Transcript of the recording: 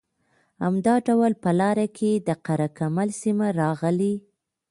همدا ډول په لاره کې د قره کمر سیمه راغلې